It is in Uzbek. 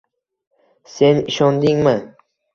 Sen ishondingmi?